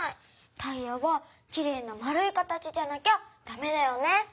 タイヤはきれいなまるい形じゃなきゃダメだよね。